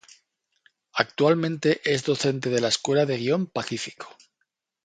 Actualmente, es docente de la Escuela de guion Pacífico.